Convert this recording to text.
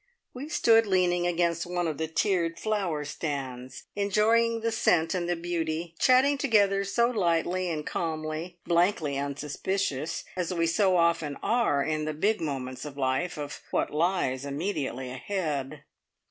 We stood leaning against one of the tiered flower stands, enjoying the scent and the beauty, chatting together so lightly and calmly, blankly unsuspicious, as we so often are in the big moments of life, of what lies immediately ahead.